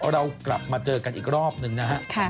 เรากลับมาเจอกันอีกรอบหนึ่งนะฮะ